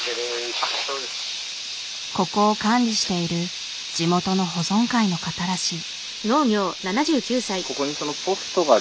ここを管理している地元の保存会の方らしい。